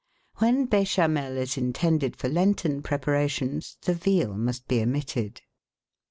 When Bechamel is intended for Lenten preparations, the veal must be omitted.